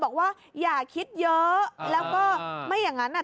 บอกว่าอย่าคิดเยอะแล้วก็ไม่อย่างนั้นอ่ะ